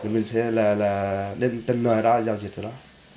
mình sẽ đến tầng nơi đó giao dịch cho đó